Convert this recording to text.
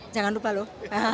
jangan lupa loh